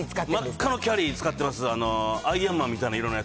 真っ赤のキャリー使ってます。